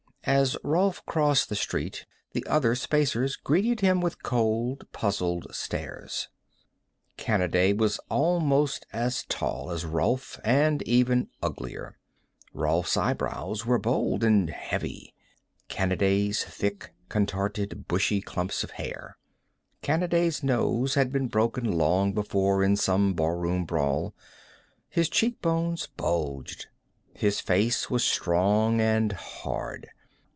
As Rolf crossed the street, the other Spacers greeted him with cold, puzzled stares. Kanaday was almost as tall as Rolf, and even uglier. Rolf's eyebrows were bold and heavy; Kanaday's, thick, contorted, bushy clumps of hair. Kanaday's nose had been broken long before in some barroom brawl; his cheekbones bulged; his face was strong and hard.